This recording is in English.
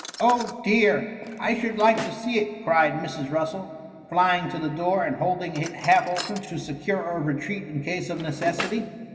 ^^* Oh, dear ! I should Hke to see it !^ cried Mrs. Russel, flying to the door, and holding it half open to secure a retreat in case of neces sity.